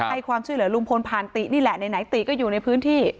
ให้ความช่วยเหลือลุงพลผ่านตินี่แหละไหนติก็อยู่ในพื้นที่